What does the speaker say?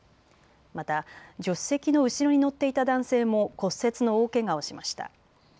また助手席の後ろに乗っていた男性も骨折の大けがをしました。